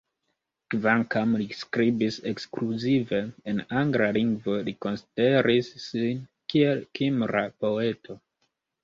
Kvankam li skribis ekskluzive en angla lingvo, li konsideris sin kiel kimra poeto.